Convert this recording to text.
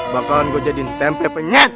bakalan gue jadi tempe penyet